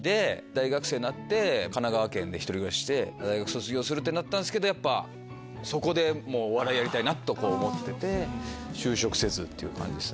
大学生になって神奈川県で１人暮らしして大学卒業するってなったんですけどそこでもお笑いやりたいと思って就職せずっていう感じです。